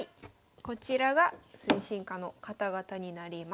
こちらが推進課の方々になります。